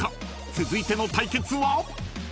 ［続いての対決は］